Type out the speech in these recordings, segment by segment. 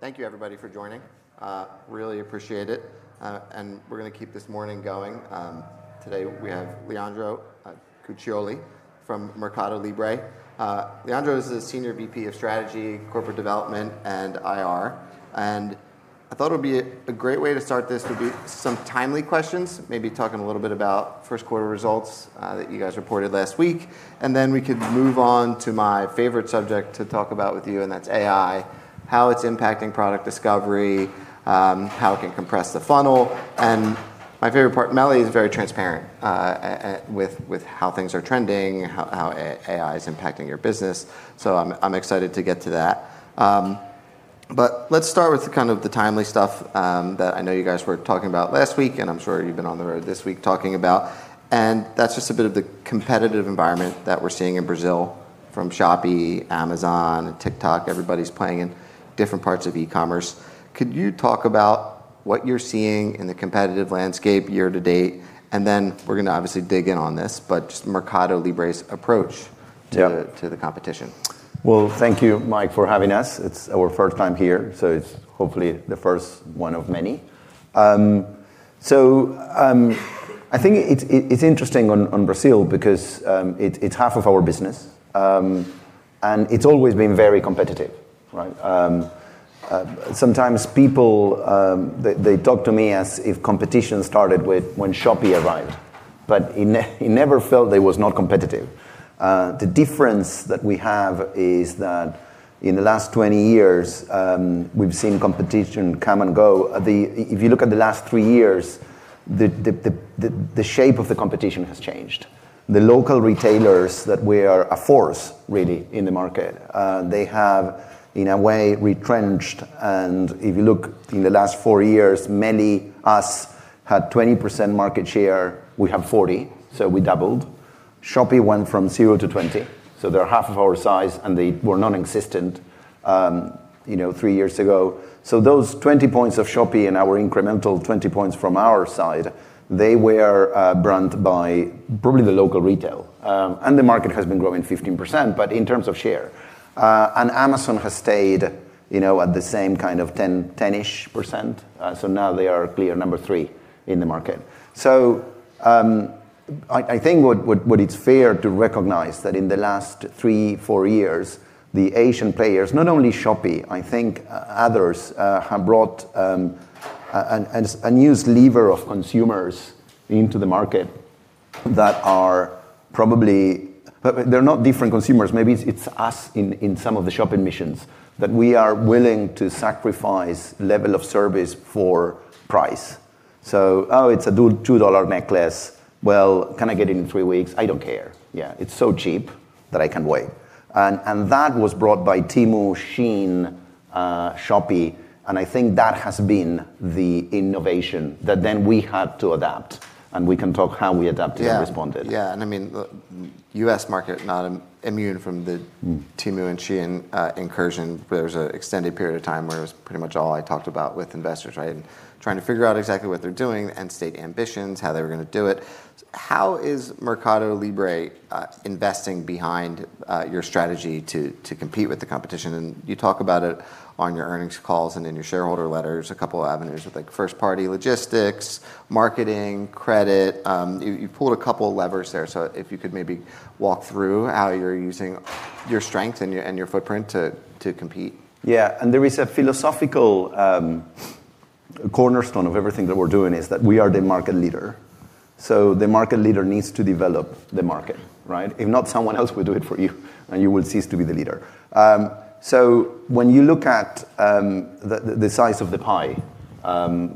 Thank you everybody for joining. Really appreciate it. We're going to keep this morning going. Today we have Leandro Cuccioli from MercadoLibre. Leandro is the Senior VP of Strategy, Corporate Development, and IR. I thought it would be a great way to start this would be some timely questions, maybe talking a little bit about first quarter results that you guys reported last week. Then we could move on to my favorite subject to talk about with you, and that's AI, how it's impacting product discovery, how it can compress the funnel. My favorite part, MELI is very transparent with how things are trending and how AI is impacting your business. I'm excited to get to that. Let's start with kind of the timely stuff that I know you guys were talking about last week, I'm sure you've been on the road this week talking about, and that's just a bit of the competitive environment that we're seeing in Brazil from Shopee, Amazon, and TikTok. Everybody's playing in different parts of e-commerce. Could you talk about what you're seeing in the competitive landscape year to date? Then we're going to obviously dig in on this, but just MercadoLibre's approach- Yeah to the competition. Well, thank you, Mike, for having us. It's our first time here, hopefully the first one of many. I think it's interesting on Brazil because it's half of our business. It's always been very competitive, right? Sometimes people, they talk to me as if competition started when Shopee arrived, but it never felt that it was not competitive. The difference that we have is that in the last 20 years, we've seen competition come and go. If you look at the last three years, the shape of the competition has changed. The local retailers that were a force, really, in the market, they have, in a way, retrenched. If you look in the last four years, many us had 20% market share. We have 40%, we doubled. Shopee went from zero to 20%, so they are half of our size, and they were nonexistent 3 years ago. Those 20 points of Shopee and our incremental 20 points from our side, they were burnt by probably the local retail. The market has been growing 15%, but in terms of share. Amazon has stayed at the same kind of 10-ish percent, so now they are clear number 3 in the market. I think what it is fair to recognize that in the last 3, 4 years, the Asian players, not only Shopee, I think others, have brought a new sliver of consumers into the market that are probably They are not different consumers. Maybe it is us in some of the shopping missions, that we are willing to sacrifice level of service for price. "Oh, it is a $2 necklace. Well, can I get it in 3 weeks? I don't care. Yeah, it is so cheap that I can wait." That was brought by Temu, Shein, Shopee, and I think that has been the innovation that then we had to adapt, and we can talk how we adapted and responded. Yeah. I mean, the U.S. market, not immune from the Temu and Shein incursion. There was an extended period of time where it was pretty much all I talked about with investors, right? Trying to figure out exactly what they are doing and state ambitions, how they were going to do it. How is MercadoLibre investing behind your strategy to compete with the competition? You talk about it on your earnings calls and in your shareholder letters, a couple of avenues with first-party logistics, marketing, credit. You pulled a couple levers there, so if you could maybe walk through how you are using your strength and your footprint to compete. Yeah. There is a philosophical cornerstone of everything that we are doing is that we are the market leader. The market leader needs to develop the market, right? If not, someone else will do it for you, and you will cease to be the leader. When you look at the size of the pie,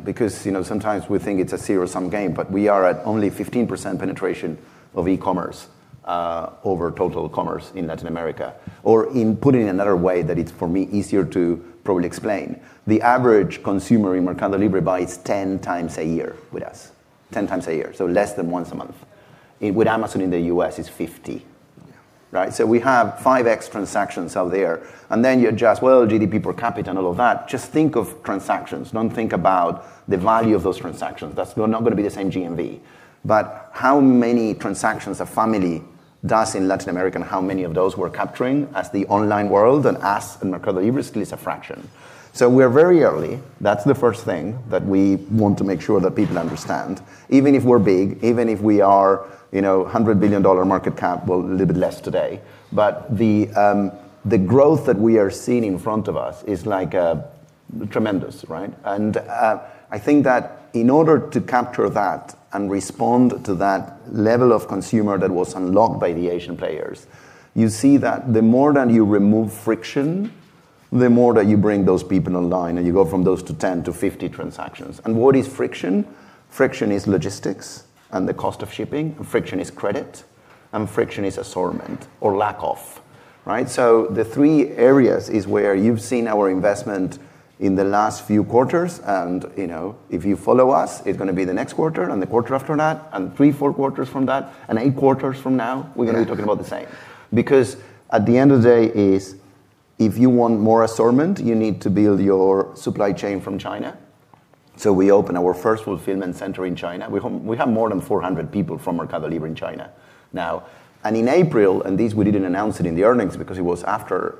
because sometimes we think it is a zero-sum game, but we are at only 15% penetration of e-commerce over total commerce in Latin America. Put it another way that it is, for me, easier to probably explain. The average consumer in MercadoLibre buys 10 times a year with us. 10 times a year, so less than once a month. With Amazon in the U.S., it is 50. Yeah. Right? We have 5x transactions out there, and then you adjust, well, GDP per capita and all of that. Just think of transactions. Don't think about the value of those transactions. That's not going to be the same GMV. How many transactions a family does in Latin America, and how many of those we're capturing as the online world and us in MercadoLibre is a fraction. We're very early. That's the first thing that we want to make sure that people understand. Even if we're big, even if we are BRL 100 billion market cap, well, a little bit less today, but the growth that we are seeing in front of us is tremendous, right? I think that in order to capture that and respond to that level of consumer that was unlocked by the Asian players, you see that the more that you remove friction, the more that you bring those people online, and you go from those to 10 to 50 transactions. What is friction? Friction is logistics and the cost of shipping, friction is credit, and friction is assortment or lack of, right? The three areas is where you've seen our investment in the last few quarters, and if you follow us, it's going to be the next quarter and the quarter after that, and three, four quarters from that, and eight quarters from now. We're going to be talking about the same. At the end of the day is if you want more assortment, you need to build your supply chain from China. We opened our first fulfillment center in China. We have more than 400 people from MercadoLibre in China now. In April, and this, we didn't announce it in the earnings because it was after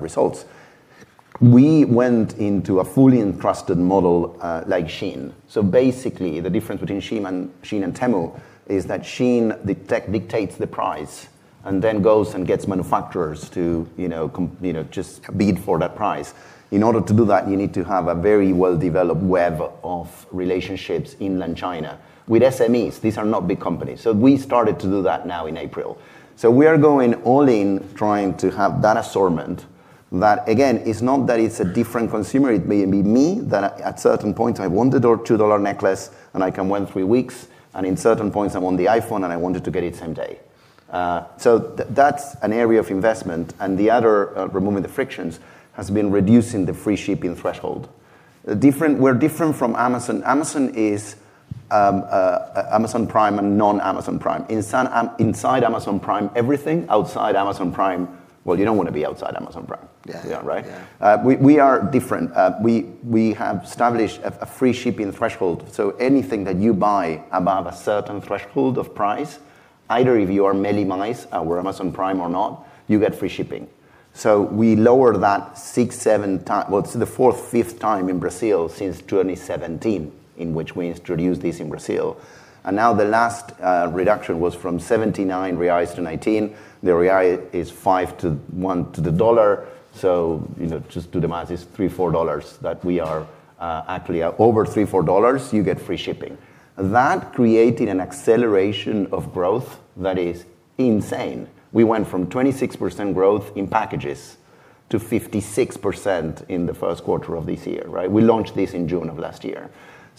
results, we went into a fully entrusted model like Shein. Basically, the difference between Shein and Temu is that Shein dictates the price and then goes and gets manufacturers to just bid for that price. In order to do that, you need to have a very well-developed web of relationships in mainland China with SMEs. These are not big companies. We started to do that now in April. We are going all in trying to have that assortment that, again, it's not that it's a different consumer. It may be me, that at certain points, I want the BRL 2 necklace, and I can wait three weeks, and in certain points, I want the iPhone and I wanted to get it same day. That's an area of investment. The other, removing the frictions, has been reducing the free shipping threshold. We're different from Amazon. Amazon is Amazon Prime and non-Amazon Prime. Inside Amazon Prime, everything, outside Amazon Prime. Well, you don't want to be outside Amazon Prime. Yeah. Right? Yeah. We are different. We have established a free shipping threshold, anything that you buy above a certain threshold of price, either if you are Meli+ or Amazon Prime or not, you get free shipping. We lowered that six, seven times. It's the fourth, fifth time in Brazil since 2017 in which we introduced this in Brazil. The last reduction was from 79 reais to 19. The BRL is 5 to 1 to the dollar, just do the math, it's $3, $4 that we are actually at. Over $3-$4, you get free shipping. That created an acceleration of growth that is insane. We went from 26% growth in packages to 56% in the first quarter of this year. We launched this in June of last year.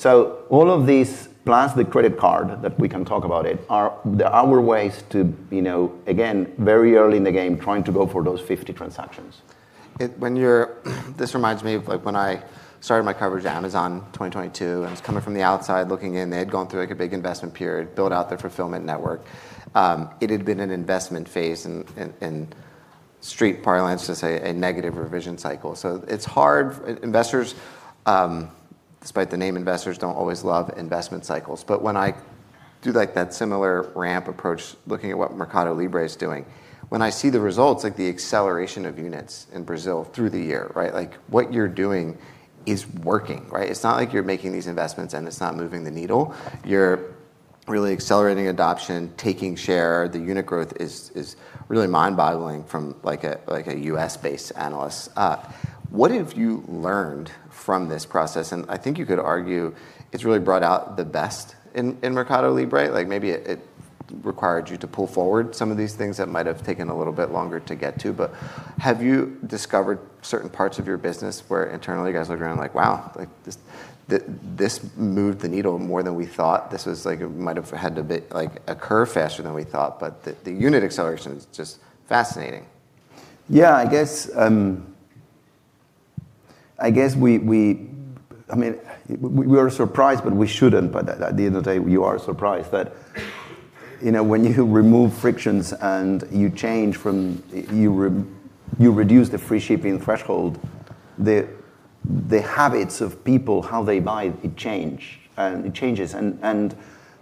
All of these, plus the credit card, that we can talk about it, are our ways to, again, very early in the game, trying to go for those 50 transactions. This reminds me of when I started my coverage at Amazon in 2022. It was coming from the outside looking in. They had gone through a big investment period, built out their fulfillment network. It had been an investment phase, in street parlance, to say a negative revision cycle. It's hard. Investors, despite the name, investors don't always love investment cycles. When I do that similar ramp approach, looking at what MercadoLibre is doing, when I see the results, the acceleration of units in Brazil through the year. What you're doing is working. It's not like you're making these investments and it's not moving the needle. You're really accelerating adoption, taking share. The unit growth is really mind-boggling from a U.S.-based analyst. What have you learned from this process? I think you could argue it's really brought out the best in MercadoLibre. Maybe it required you to pull forward some of these things that might have taken a little bit longer to get to. Have you discovered certain parts of your business where internally you guys look around like, Wow, this moved the needle more than we thought. This might have had to occur faster than we thought, but the unit acceleration is just fascinating. We were surprised, but we shouldn't. At the end of the day, you are surprised that when you remove frictions and you reduce the free shipping threshold, the habits of people, how they buy, it changes.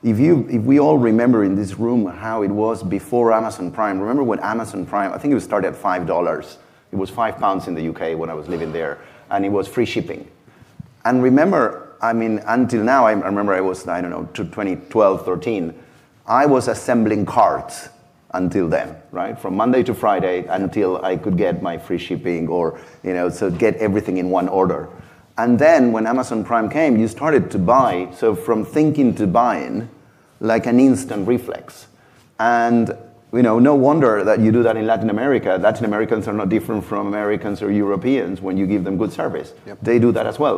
If we all remember in this room how it was before Amazon Prime, remember when Amazon Prime, I think it started at $5. It was 5 pounds in the U.K. when I was living there, and it was free shipping. Remember, until now, I remember it was, I don't know, 2012, 2013, I was assembling carts until then. From Monday to Friday until I could get my free shipping or so, get everything in one order. Then when Amazon Prime came, you started to buy, from thinking to buying like an instant reflex. No wonder that you do that in Latin America. Latin Americans are no different from Americans or Europeans when you give them good service. Yep. They do that as well.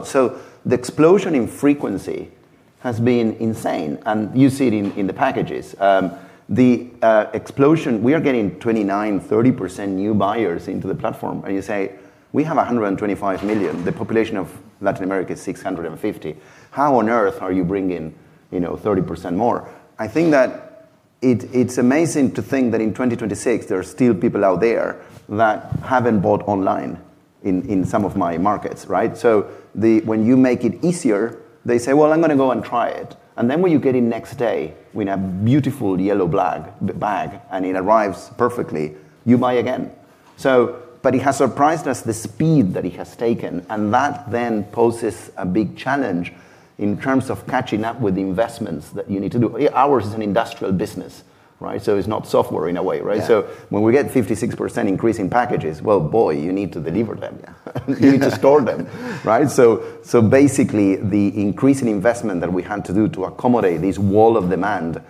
The explosion in frequency has been insane, and you see it in the packages. The explosion, we are getting 29%, 30% new buyers into the platform, and you say, we have 125 million. The population of Latin America is 650. How on earth are you bringing 30% more? I think that it's amazing to think that in 2026, there are still people out there that haven't bought online in some of my markets, right? When you make it easier, they say, "I'm going to go and try it." Then when you get it next day in a beautiful yellow bag, and it arrives perfectly, you buy again. It has surprised us the speed that it has taken, and that then poses a big challenge in terms of catching up with the investments that you need to do. Ours is an industrial business. It's not software in a way, right? Yeah. When we get 56% increase in packages, well, boy, you need to deliver them. Yeah. You need to store them. Basically, the increase in investment that we had to do to accommodate this wall of demand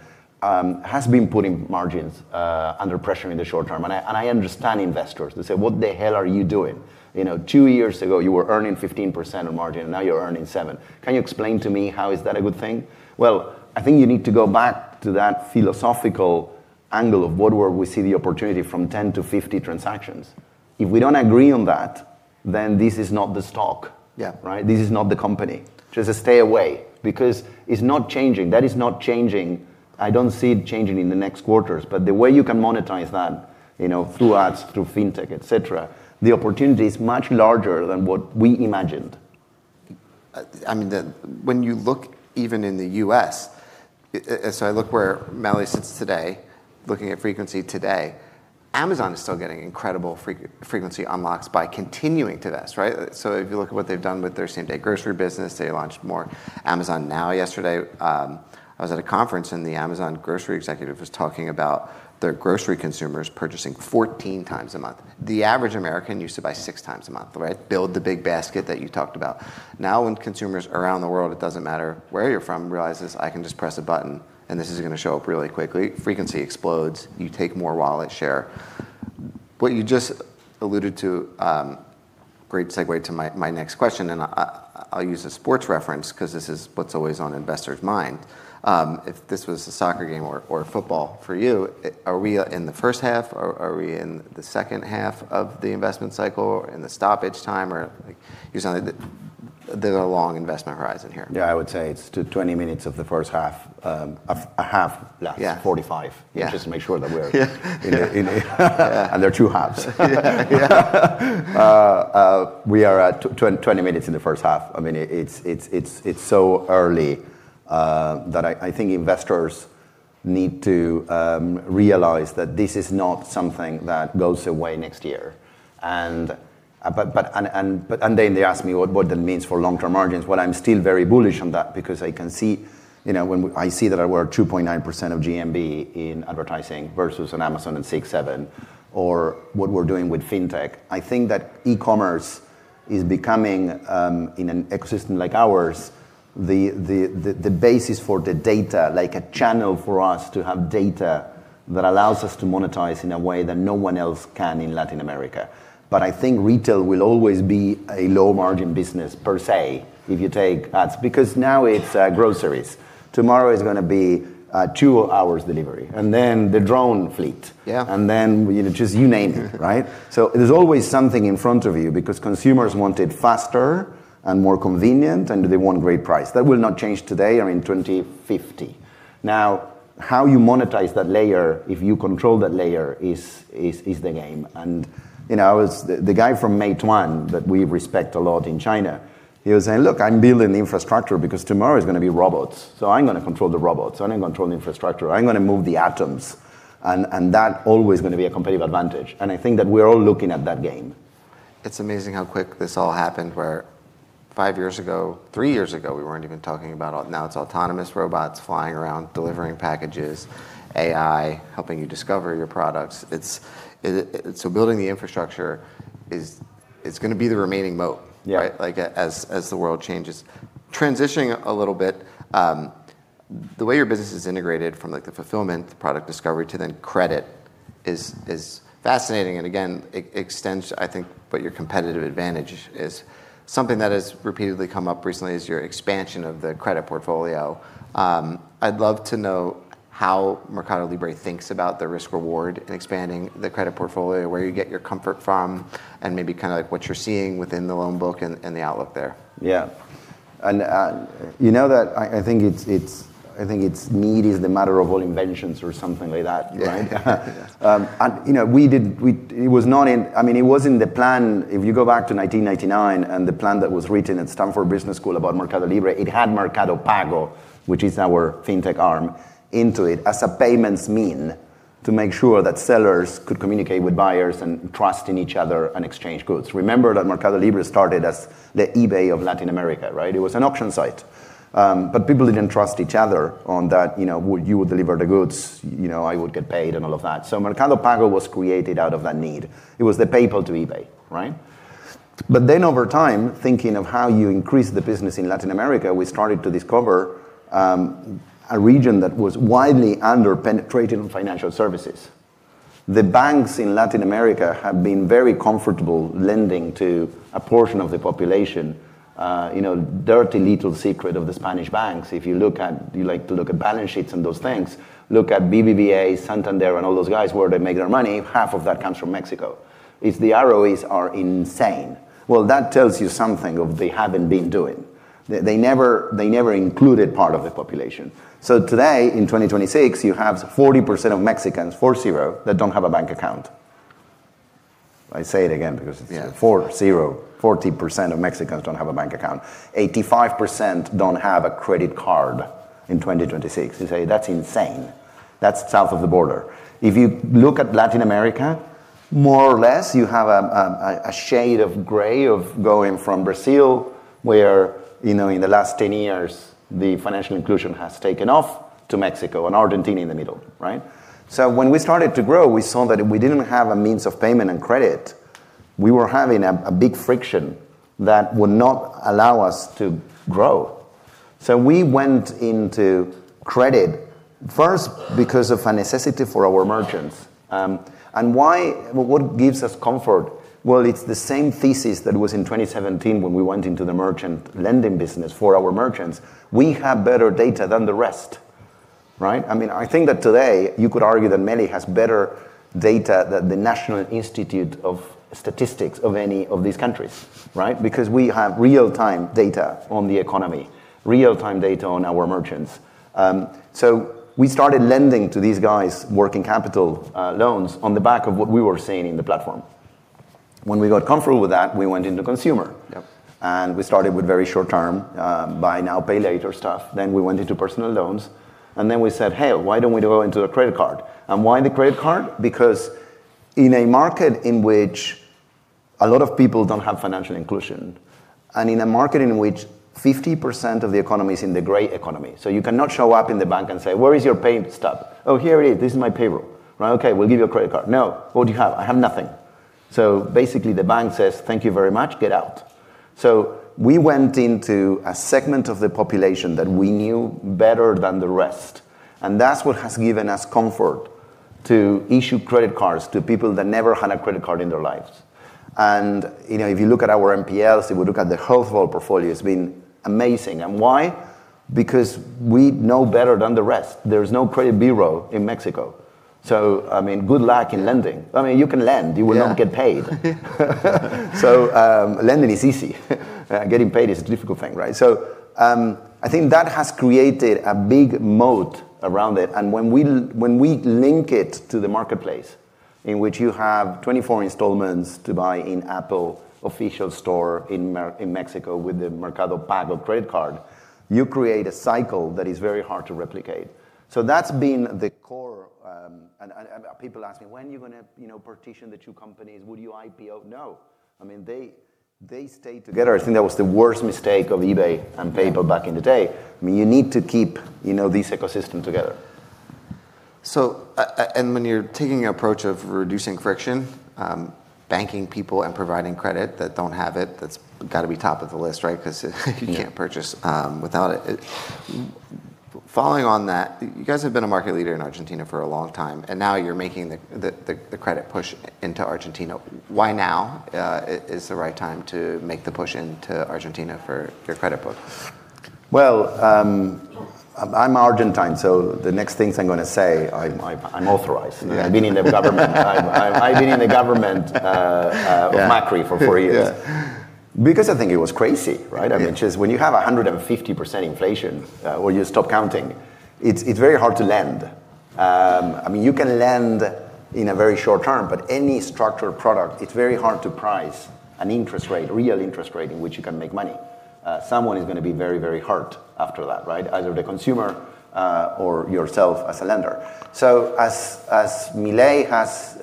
has been putting margins under pressure in the short term. I understand investors. They say, "What the hell are you doing? Two years ago, you were earning 15% of margin, and now you're earning 7%. Can you explain to me how is that a good thing?" Well, I think you need to go back to that philosophical angle of where we see the opportunity from 10 to 50 transactions. If we don't agree on that, then this is not the stock. Yeah. Right? This is not the company. Just stay away because it's not changing. That is not changing. I don't see it changing in the next quarters. The way you can monetize that, through ads, through fintech, etcetera, the opportunity is much larger than what we imagined. When you look even in the U.S., I look where MELI sits today, looking at frequency today, Amazon is still getting incredible frequency unlocks by continuing to this. Right? If you look at what they've done with their same-day grocery business, they launched more Amazon Now yesterday. I was at a conference and the Amazon grocery executive was talking about their grocery consumers purchasing 14 times a month. The average American used to buy six times a month. Right? Build the big basket that you talked about. Now, when consumers around the world, it doesn't matter where you're from, realize this, I can just press a button and this is going to show up really quickly. Frequency explodes. You take more wallet share. What you just alluded to, great segue to my next question, I'll use a sports reference because this is what's always on investors' mind. If this was a soccer game or football for you, are we in the first half, are we in the second half of the investment cycle, in the stoppage time? There's a long investment horizon here. Yeah. I would say it's 20 minutes of the first half. Yeah. 45. Yeah. Just to make sure that. Yeah. There are two halves. Yeah. We are at 20 minutes in the first half. It's so early that I think investors need to realize that this is not something that goes away next year. They ask me what that means for long-term margins. What I'm still very bullish on that because I can see that we're 2.9% of GMV in advertising versus an Amazon and 67 or what we're doing with fintech. I think that e-commerce is becoming, in an ecosystem like ours, the basis for the data, like a channel for us to have data that allows us to monetize in a way that no one else can in Latin America. I think retail will always be a low margin business, per se, if you take ads, because now it's groceries. Tomorrow it's going to be two hours delivery, and then the drone fleet. Yeah. Just you name it. Right? There's always something in front of you because consumers want it faster and more convenient, and they want a great price. That will not change today or in 2050. Now, how you monetize that layer, if you control that layer, is the game. The guy from Meituan that we respect a lot in China, he was saying, "Look, I'm building the infrastructure because tomorrow is going to be robots. I'm going to control the robots. I'm going to control the infrastructure. I'm going to move the atoms." That always going to be a competitive advantage. I think that we're all looking at that game. It's amazing how quick this all happened, where five years ago, three years ago, we weren't even talking about. Now it's autonomous robots flying around, delivering packages, AI helping you discover your products. Building the infrastructure is going to be the remaining moat- Yeah as the world changes. Transitioning a little bit, the way your business is integrated from the fulfillment, product discovery, to then credit is fascinating, and again, extends, I think, what your competitive advantage is. Something that has repeatedly come up recently is your expansion of the credit portfolio. I'd love to know how MercadoLibre thinks about the risk-reward in expanding the credit portfolio, where you get your comfort from, and maybe what you're seeing within the loan book and the outlook there. Yeah. I think it's need is the mother of all inventions or something like that, right? Yeah. It wasn't the plan. If you go back to 1999 and the plan that was written at Stanford Business School about MercadoLibre, it had Mercado Pago, which is our fintech arm, into it as a payments mean to make sure that sellers could communicate with buyers and trust in each other and exchange goods. Remember that MercadoLibre started as the eBay of Latin America, right? It was an auction site. People didn't trust each other on that, would you deliver the goods, I would get paid, and all of that. Mercado Pago was created out of that need. It was the PayPal to eBay, right? Over time, thinking of how you increase the business in Latin America, we started to discover a region that was widely under-penetrated on financial services. The banks in Latin America have been very comfortable lending to a portion of the population. Dirty little secret of the Spanish banks, if you like to look at balance sheets and those things, look at BBVA, Santander, and all those guys, where they make their money, half of that comes from Mexico. Its ROIs are insane. Well, that tells you something of they haven't been doing. They never included part of the population. Today, in 2026, you have 40% of Mexicans, 40, that don't have a bank account. I say it again because. Yeah. 40% of Mexicans don't have a bank account. 85% don't have a credit card in 2026. You say that's insane. That's south of the border. If you look at Latin America, more or less, you have a shade of gray of going from Brazil, where in the last 10 years, the financial inclusion has taken off, to Mexico and Argentina in the middle. Right? When we started to grow, we saw that if we didn't have a means of payment and credit, we were having a big friction that would not allow us to grow. We went into credit first because of a necessity for our merchants. What gives us comfort? Well, it's the same thesis that was in 2017 when we went into the merchant lending business for our merchants. We have better data than the rest, right? I think that today you could argue that MELI has better data than the National Institute of Statistics of any of these countries, right? We have real-time data on the economy, real-time data on our merchants. We started lending to these guys working capital loans on the back of what we were seeing in the platform. When we got comfortable with that, we went into consumer. Yep. We started with very short term, buy now, pay later stuff. We went into personal loans, and then we said, "Hey, why don't we go into a credit card?" Why the credit card? Because in a market in which a lot of people don't have financial inclusion, in a market in which 50% of the economy is in the gray economy, you cannot show up in the bank and say, "Where is your payment stub?" "Oh, here it is. This is my payroll." "Right, okay, we'll give you a credit card." "No." "What do you have?" "I have nothing." Basically, the bank says, "Thank you very much. Get out." We went into a segment of the population that we knew better than the rest, and that's what has given us comfort to issue credit cards to people that never had a credit card in their lives. If you look at our NPLs, if we look at the whole of our portfolio, it's been amazing. Why? Because we know better than the rest. There's no credit bureau in Mexico, I mean, good luck in lending. I mean, you can lend. Yeah. You will not get paid. Lending is easy. Getting paid is a difficult thing, right? I think that has created a big moat around it. When we link it to the marketplace in which you have 24 installments to buy in Apple official store in Mexico with the Mercado Pago credit card, you create a cycle that is very hard to replicate. That's been the core. People ask me, "When are you going to partition the two companies? Would you IPO?" No. I mean, they stay together. I think that was the worst mistake of eBay and PayPal back in the day. I mean, you need to keep this ecosystem together. When you're taking your approach of reducing friction, banking people and providing credit that don't have it, that's got to be top of the list, right? Because you can't purchase without it. Following on that, you guys have been a market leader in Argentina for a long time, and now you're making the credit push into Argentina. Why now is the right time to make the push into Argentina for your credit book? Well, I'm Argentine, so the next things I'm going to say, I'm authorized. Yeah. I've been in the government. Yeah Of Macri for four years. Yeah. I mean, I think it was crazy, right? Yeah. Just when you have 150% inflation, or you stop counting, it's very hard to lend. You can lend in a very short term, but any structured product, it's very hard to price an interest rate, real interest rate in which you can make money. Someone is going to be very, very hurt after that, right? Either the consumer, or yourself as a lender. As Javier Milei has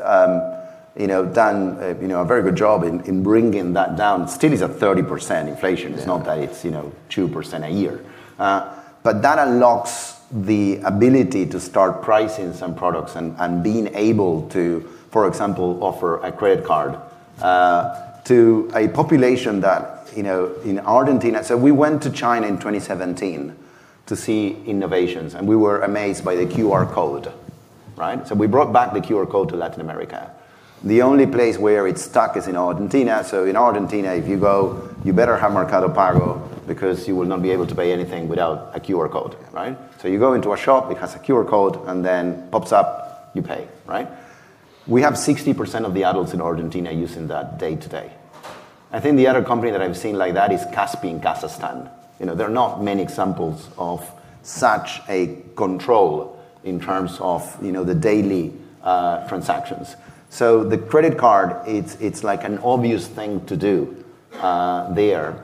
done a very good job in bringing that down, still is at 30% inflation. Yeah. It's not that it's 2% a year. That unlocks the ability to start pricing some products and being able to, for example, offer a credit card, to a population that, in Argentina. We went to China in 2017 to see innovations, and we were amazed by the QR code, right? We brought back the QR code to Latin America. The only place where it stuck is in Argentina. In Argentina, if you go, you better have Mercado Pago because you will not be able to pay anything without a QR code, right? You go into a shop, it has a QR code, and then pops up, you pay, right? We have 60% of the adults in Argentina using that day to day. I think the other company that I've seen like that is Kaspi.kz in Kazakhstan. There are not MELI examples of such a control in terms of the daily transactions. The credit card, it's like an obvious thing to do there.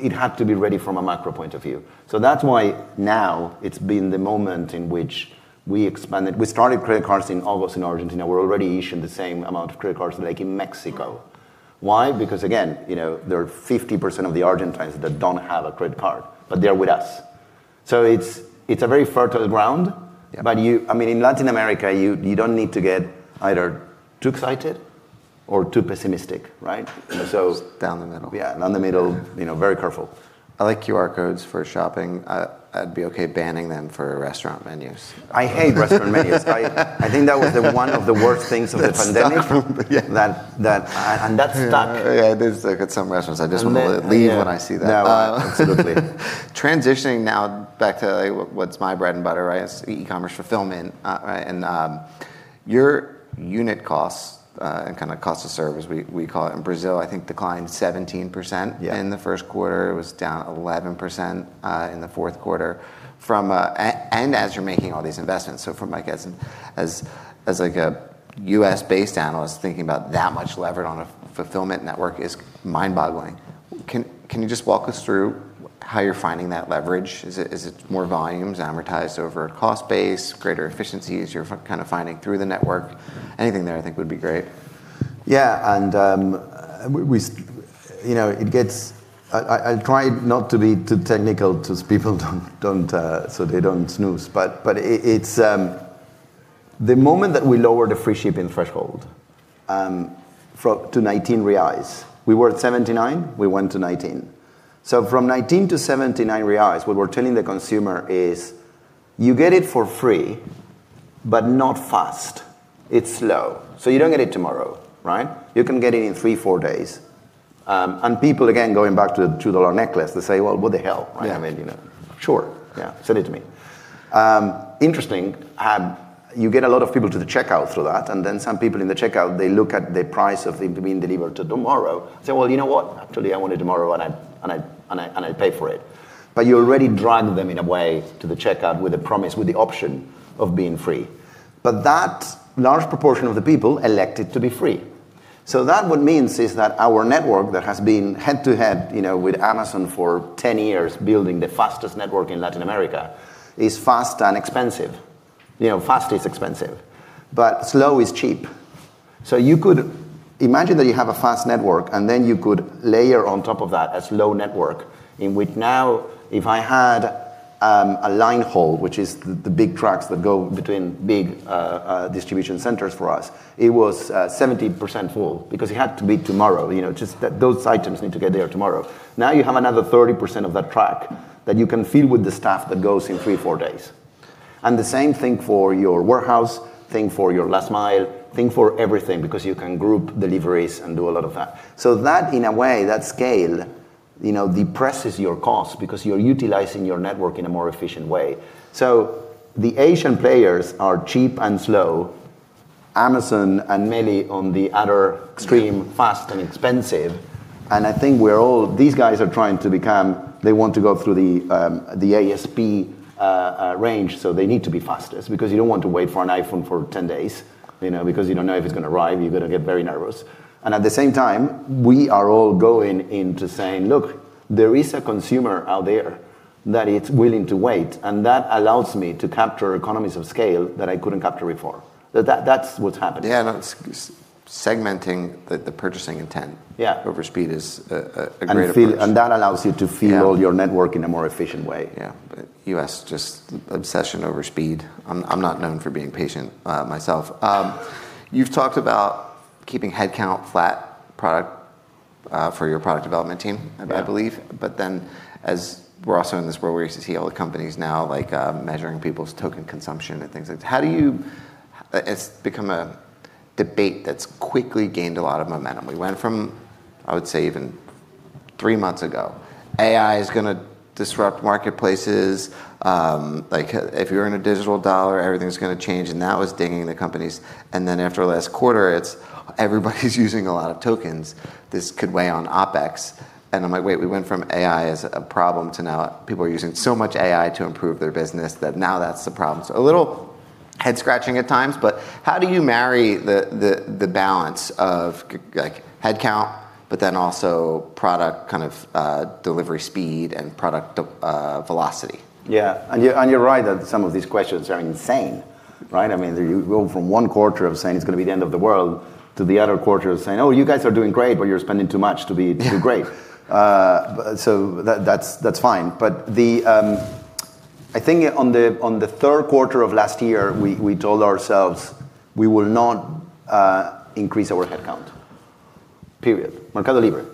It had to be ready from a macro point of view. That's why now it's been the moment in which we expanded. We started credit cards in August in Argentina. We're already issuing the same amount of credit cards like in Mexico. Why? Because again, there are 50% of the Argentines that don't have a credit card, but they're with us. It's a very fertile ground. Yeah. You, I mean, in Latin America, you don't need to get either too excited or too pessimistic, right? Just down the middle. Yeah, down the middle. Very careful. I like QR codes for shopping. I'd be okay banning them for restaurant menus. I hate restaurant menus. I think that was one of the worst things of the pandemic. That stuck. Yeah. That, and that stuck. Yeah, it is. Like at some restaurants, I just want to leave when I see that. Yeah. Absolutely. Transitioning now back to what's my bread and butter, right, is e-commerce fulfillment. Your unit costs, and cost of service, we call it in Brazil, I think declined 17%. Yeah in the first quarter. It was down 11% in the fourth quarter from as you're making all these investments, I guess as a U.S.-based analyst, thinking about that much levered on a fulfillment network is mind-boggling. Can you just walk us through how you're finding that leverage? Is it more volumes amortized over cost base, greater efficiencies you're kind of finding through the network? Anything there, I think, would be great. Yeah. We, I'll try not to be too technical so people don't snooze. It's the moment that we lower the free shipping threshold, to 19 reais. We were at 79, we went to 19. From 19-79 reais, what we're telling the consumer is, "You get it for free, but not fast. It's slow. You don't get it tomorrow, right? You can get it in three, four days." People, again, going back to the $2 necklace, they say, "Well, what the hell." Right. Yeah. I mean, "Sure. Yeah. Send it to me." Interesting, you get a lot of people to the checkout through that, and then some people in the checkout, they look at the price of it being delivered tomorrow, say, "Well, you know what? Actually, I want it tomorrow and I'll pay for it." You already drive them in a way to the checkout with a promise, with the option of being free. That large proportion of the people elected to be free. That what means is that our network that has been head-to-head with Amazon for 10 years, building the fastest network in Latin America, is fast and expensive. Fast is expensive, but slow is cheap. You could imagine that you have a fast network, and then you could layer on top of that a slow network in which now if I had a line haul, which is the big trucks that go between big distribution centers for us, it was 70% full because it had to be tomorrow. Just those items need to get there tomorrow. Now you have another 30% of that truck that you can fill with the stuff that goes in three, four days. The same thing for your warehouse, thing for your last mile, thing for everything, because you can group deliveries and do a lot of that. That, in a way, that scale depresses your cost because you're utilizing your network in a more efficient way. The Asian players are cheap and slow. Amazon and MELI on the other extreme, fast and expensive. I think these guys are trying to become-- they want to go through the ASP range, so they need to be fastest because you don't want to wait for an iPhone for 10 days, because you don't know if it's going to arrive. You're going to get very nervous. At the same time, we are all going into saying, "Look, there is a consumer out there that it's willing to wait, and that allows me to capture economies of scale that I couldn't capture before." That's what's happening. Yeah. That's segmenting the purchasing intent- Yeah over speed is a great approach. That allows you to fill- Yeah your network in a more efficient way. Yeah. U.S. just obsession over speed. I'm not known for being patient myself. You've talked about keeping headcount flat for your product development team- Yeah I believe. As we're also in this world where you see all the companies now, measuring people's token consumption and things like. It's become a debate that's quickly gained a lot of momentum. We went from, I would say, even three months ago, AI is going to disrupt marketplaces. If you earn a digital dollar, everything's going to change, and that was dinging the companies. After last quarter, it's everybody's using a lot of tokens. This could weigh on OpEx. I'm like, wait, we went from AI as a problem to now people are using so much AI to improve their business that now that's the problem. A little head-scratching at times, but how do you marry the balance of headcount, but then also product delivery speed and product velocity? Yeah. You're right that some of these questions are insane, right? You go from one quarter of saying it's going to be the end of the world, to the other quarter of saying, "Oh, you guys are doing great, but you're spending too much to be too great. Yeah. That's fine. I think on the third quarter of last year, we told ourselves we will not increase our headcount, period. Mercado Libre,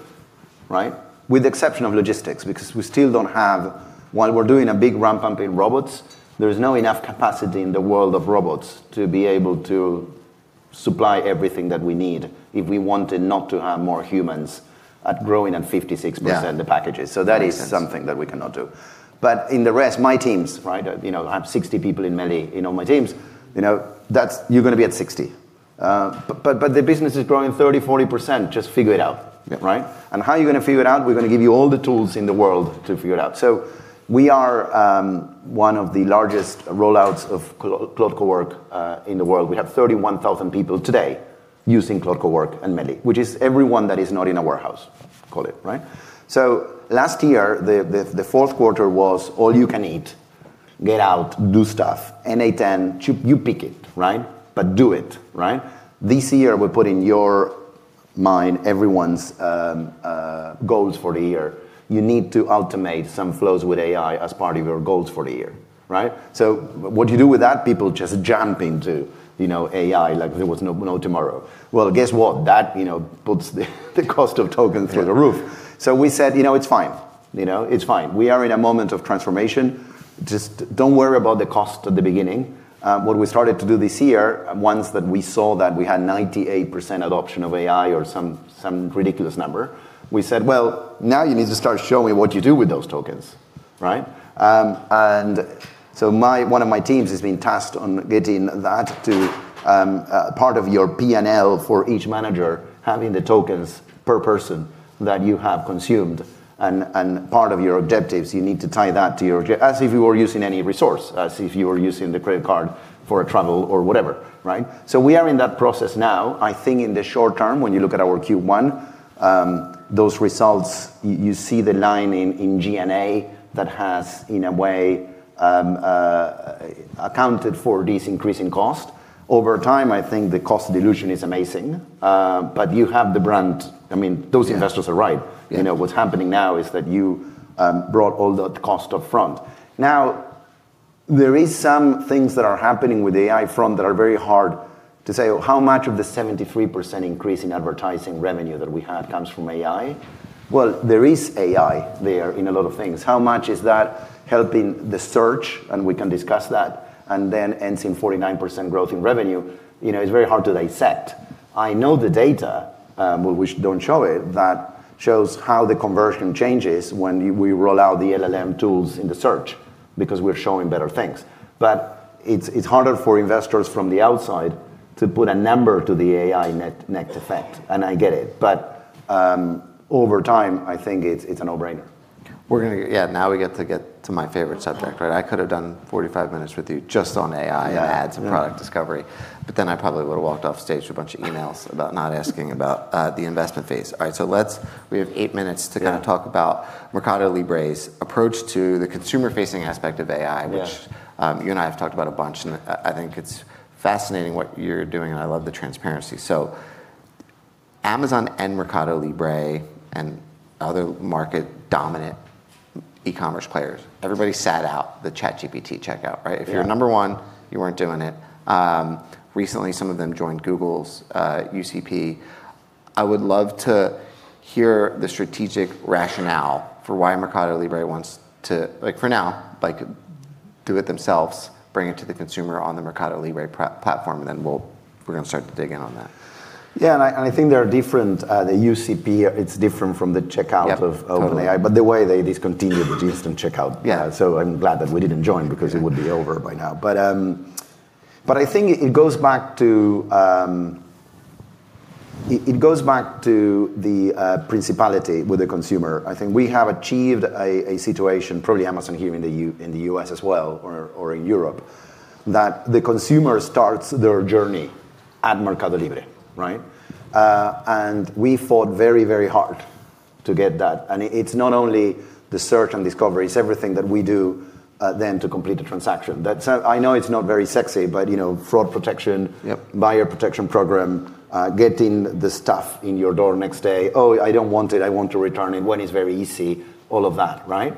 right? With the exception of logistics, because we still don't have-- While we're doing a big ramp-up in robots, there is not enough capacity in the world of robots to be able to supply everything that we need if we wanted not to have more humans at growing at 56%- Yeah the packages. Makes sense. That is something that we cannot do. In the rest, my teams, I have 60 people in MELI in all my teams. You're going to be at 60. The business is growing 30, 40%, just figure it out. Yeah. Right? How are you going to figure it out? We're going to give you all the tools in the world to figure it out. We are one of the largest rollouts of cloud co-work in the world. We have 31,000 people today using cloud co-work and MELI, which is everyone that is not in a warehouse, call it. Last year, the fourth quarter was all you can eat. Get out, do stuff. [inaudible] you pick it. Do it. This year, we put in your mind everyone's goals for the year. You need to automate some flows with AI as part of your goals for the year. What do you do with that? People just jump into AI like there was no tomorrow. Well, guess what? That puts the cost of tokens through the roof. Yeah. We said, "It's fine." We are in a moment of transformation. Just don't worry about the cost at the beginning. What we started to do this year, once that we saw that we had 98% adoption of AI or some ridiculous number, we said, "Well, now you need to start showing what you do with those tokens." One of my teams has been tasked on getting that to part of your P&L for each manager, having the tokens per person that you have consumed and part of your objectives. You need to tie that to your object, as if you were using any resource, as if you were using the credit card for travel or whatever. We are in that process now. I think in the short term, when you look at our Q1, those results, you see the line in G&A that has, in a way, accounted for this increase in cost. Over time, I think the cost dilution is amazing. Those investors are right. Yeah. What's happening now is that you brought all that cost up front. There is some things that are happening with the AI front that are very hard to say how much of the 73% increase in advertising revenue that we had comes from AI. Well, there is AI there in a lot of things. How much is that helping the search? We can discuss that, then ends in 49% growth in revenue. It's very hard to dissect. I know the data, but we don't show it, that shows how the conversion changes when we roll out the LLM tools in the search because we're showing better things. It's harder for investors from the outside to put a number to the AI net effect, and I get it. Over time, I think it's a no-brainer. Yeah. We get to get to my favorite subject. Right? I could have done 45 minutes with you just on AI. Yeah ads and product discovery, but then I probably would've walked off stage with a bunch of emails about not asking about the investment phase. All right. Let's We have eight minutes to Yeah talk about MercadoLibre's approach to the consumer-facing aspect of AI Yeah which you and I have talked about a bunch, and I think it's fascinating what you're doing, and I love the transparency. Amazon and MercadoLibre and other market-dominant e-commerce players, everybody sat out the ChatGPT checkout, right? Yeah. If you're number one, you weren't doing it. Recently, some of them joined Google's UCP. I would love to hear the strategic rationale for why MercadoLibre wants to, for now, do it themselves, bring it to the consumer on the MercadoLibre platform, and then we're going to start to dig in on that. Yeah, I think they are different. The UCP, it's different from the checkout of Yep. Totally OpenAI, by the way they discontinued the instant checkout. Yeah. I'm glad that we didn't join because it would be over by now. I think it goes back to the principality with the consumer. I think we have achieved a situation, probably Amazon here in the U.S. as well, or in Europe, that the consumer starts their journey at MercadoLibre, right? We fought very hard to get that. It's not very sexy, but fraud protection Yep buyer protection program, getting the stuff in your door next day. "Oh, I don't want it. I want to return it." When it's very easy. All of that, right?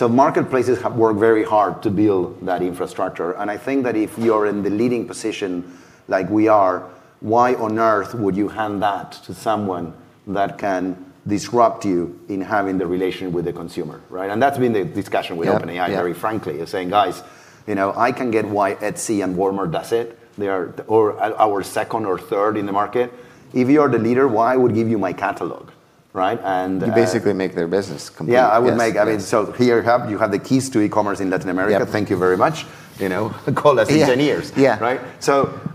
Marketplaces work very hard to build that infrastructure, and I think that if you're in the leading position like we are, why on earth would you hand that to someone that can disrupt you in having the relationship with the consumer, right? That's been the discussion with- Yeah OpenAI, very frankly, is saying, "Guys, I can get why Etsy and Walmart does it." They are our second or third in the market. If you are the leader, why would give you my catalog? Right? You basically make their business complete. Yeah. I would make Yes. here you have the keys to e-commerce in Latin America. Yep. Thank you very much. Call us engineers. Yeah. Right?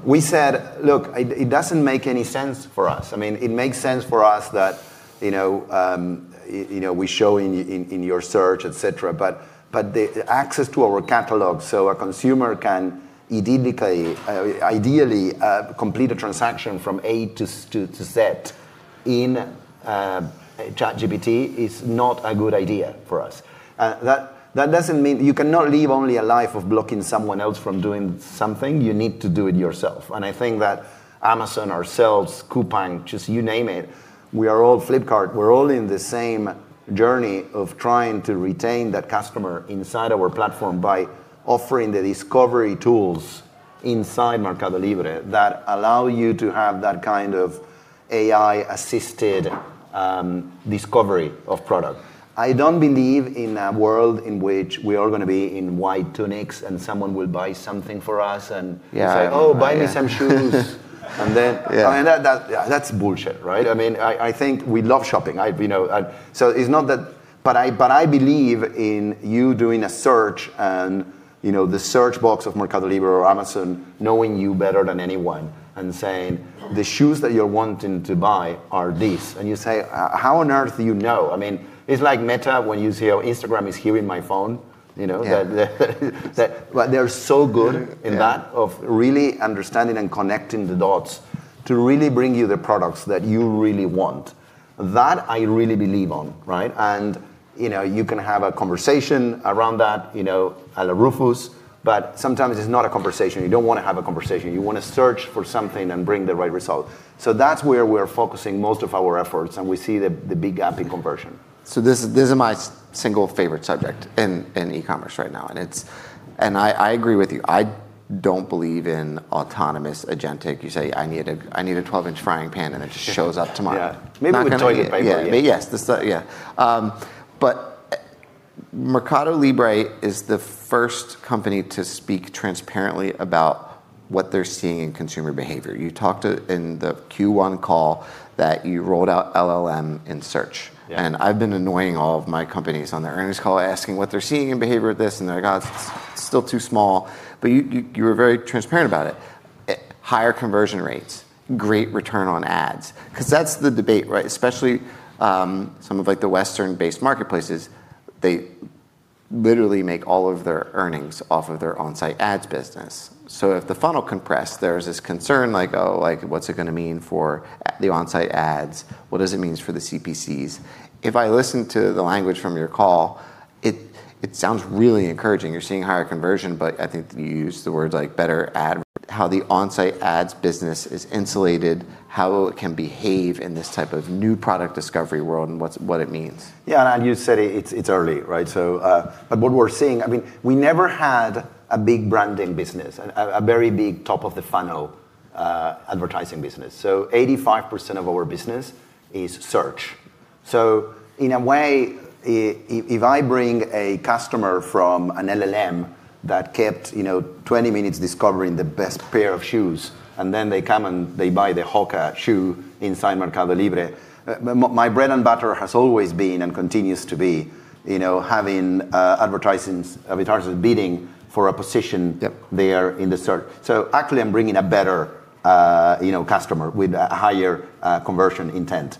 We said, "Look, it doesn't make any sense for us." It makes sense for us that we show in your search, et cetera, but the access to our catalog, so a consumer can ideally complete a transaction from A to Z in ChatGPT is not a good idea for us. You cannot live only a life of blocking someone else from doing something. You need to do it yourself. I think that Amazon, ourselves, Coupang, just you name it, we are all Flipkart. We're all in the same journey of trying to retain that customer inside our platform by offering the discovery tools inside MercadoLibre that allow you to have that kind of AI-assisted discovery of product. I don't believe in a world in which we are going to be in white tunics and someone will buy something for us and say. Yeah. Oh, buy me some shoes." Then. Yeah. That's bullshit, right? I think we love shopping. I believe in you doing a search and the search box of MercadoLibre or Amazon knowing you better than anyone and saying, "The shoes that you're wanting to buy are this." You say, "How on earth do you know?" It's like Meta when you say, "Oh, Instagram is hearing my phone. Yeah. They're so good- Yeah in that, of really understanding and connecting the dots to really bring you the products that you really want. That, I really believe on. Right? You can have a conversation around that, à la Rufus, but sometimes it's not a conversation. You don't want to have a conversation. You want to search for something and bring the right result. That's where we're focusing most of our efforts, and we see the big gap in conversion. This is my single favorite subject in e-commerce right now. I agree with you. I don't believe in autonomous agentic. You say, "I need a 12-inch frying pan," and it just shows up tomorrow. Yeah. Maybe with toilet paper. Yeah. MercadoLibre is the first company to speak transparently about what they're seeing in consumer behavior. You talked in the Q1 call that you rolled out LLM in search. Yeah. I've been annoying all of my companies on their earnings call asking what they're seeing in behavior with this, and they're, "It's still too small." You were very transparent about it. Higher conversion rates, great return on ads. That's the debate, right? Especially some of the Western-based marketplaces, they literally make all of their earnings off of their on-site ads business. If the funnel compressed, there's this concern like, oh, what's it going to mean for the on-site ads? What does it means for the CPCs? If I listen to the language from your call, it sounds really encouraging. You're seeing higher conversion, but I think that you used the words better ad, how the on-site ads business is insulated, how it can behave in this type of new product discovery world, and what it means. Yeah. You said it's early, right? What we're seeing We never had a big branding business, a very big top of the funnel advertising business. 85% of our business is search. In a way, if I bring a customer from an LLM that kept 20 minutes discovering the best pair of shoes, then they come and they buy the HOKA shoe inside MercadoLibre, my bread and butter has always been and continues to be having advertisers bidding for a position- Yep there in the search. Actually, I'm bringing a better customer with a higher conversion intent.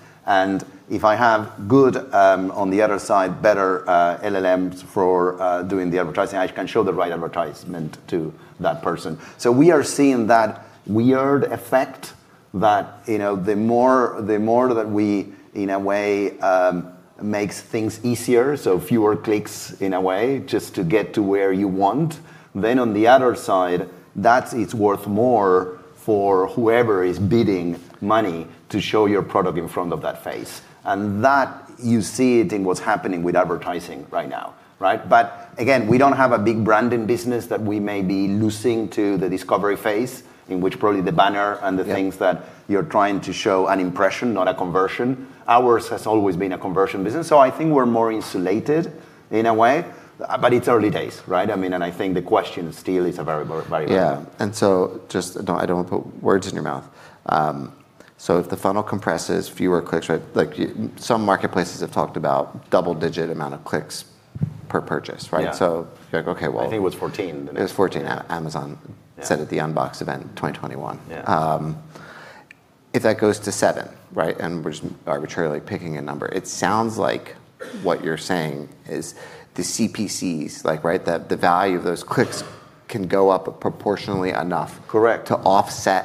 If I have good, on the other side, better LLMs for doing the advertising, I can show the right advertisement to that person. We are seeing that weird effect that the more that we, in a way, makes things easier, so fewer clicks in a way, just to get to where you want. On the other side, that it's worth more for whoever is bidding money to show your product in front of that face. That you see it in what's happening with advertising right now. Again, we don't have a big brand in business that we may be losing to the discovery phase, in which probably the banner and the things that you're trying to show an impression, not a conversion. Ours has always been a conversion business, I think we're more insulated in a way. It's early days, right? I think the question still is a very good one. Yeah. Just, I don't want to put words in your mouth. If the funnel compresses fewer clicks, some marketplaces have talked about double-digit amount of clicks per purchase. Yeah. You're like, okay, well. I think it was 14 it was 14, Amazon said at the unBoxed event 2021. Yeah. If that goes to seven, and we're just arbitrarily picking a number, it sounds like what you're saying is the CPCs, the value of those clicks can go up proportionally enough- Correct to offset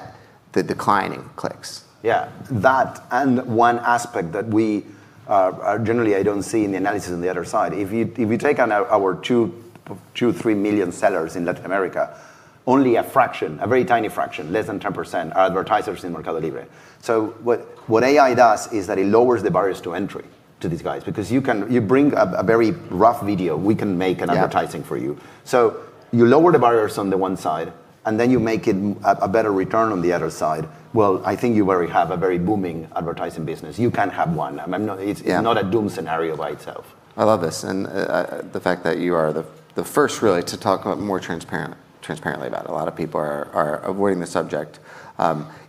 the declining clicks. Yeah. That, and one aspect that we generally I don't see in the analysis on the other side, if you take our two, three million sellers in Latin America, only a fraction, a very tiny fraction, less than 10%, are advertisers in MercadoLibre. What AI does is that it lowers the barriers to entry to these guys, because you bring a very rough video, we can make an advertising for you. You lower the barriers on the one side, and then you make it a better return on the other side. Well, I think you already have a very booming advertising business. You can have one. I mean, it's not a doom scenario by itself. I love this. The fact that you are the first really to talk more transparently about it. A lot of people are avoiding the subject.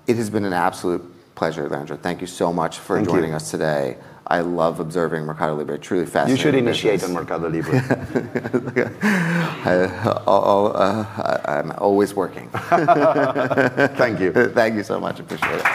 It has been an absolute pleasure, Leandro. Thank you so much for- Thank you joining us today. I love observing MercadoLibre. Truly fascinating business. You should initiate on MercadoLibre. I'm always working. Thank you. Thank you so much. Appreciate it.